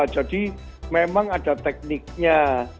jadi memang ada tekniknya